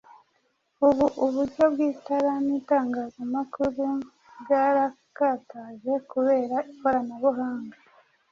Ubu, uburyo bw’itara n’itangazamakuru bwarakataje kubera ikoranabuhanga.